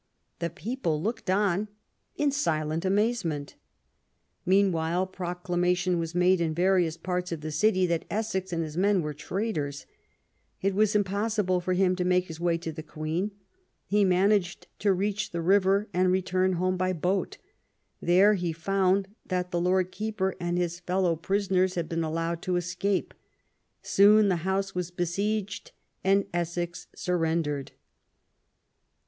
The people looked on in silent amazement. Meanwhile proclamation was made in various parts of the city that Essex and his men were traitors. It was impossible for him to make his way to the Queen ; he managed to reach the river and return home by boat. There he found that the Lord Keeper and his fellow prisoners had been allowed to escape. Soon the house was besieged, and Essex surrendered.